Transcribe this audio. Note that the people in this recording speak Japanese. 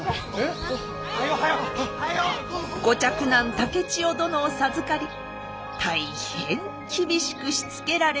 竹千代殿を授かり大変厳しくしつけられました。